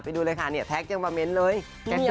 ไปดูเลยค่ะเนี่ยแท็กยังมาเมนต์เลย